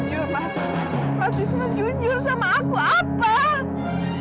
mas wisnu jujur sama aku apa